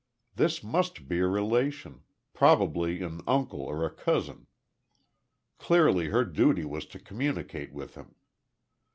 This must be a relation, probably an uncle or a cousin. Clearly her duty was to communicate with him.